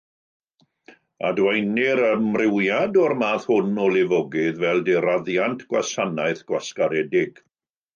Adwaenir amrywiad o'r math hwn o lifogydd fel diraddiant gwasanaeth gwasgaredig.